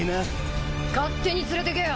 勝手に連れてけよ。